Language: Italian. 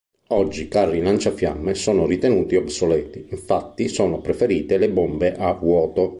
Oggi i carri lanciafiamme sono ritenuti obsoleti, infatti sono preferite le bombe a vuoto.